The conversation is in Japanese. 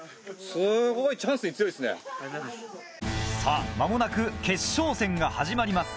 さぁ間もなく決勝戦が始まります。